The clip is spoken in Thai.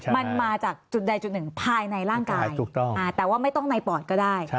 มันมาจากจุดใดจุดหนึ่งภายในร่างกายแต่ว่าไม่ต้องในปอดก็ได้